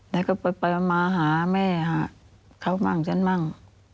แล้วก็ไปมาหาแม่เขาบ้างฉันบ้าง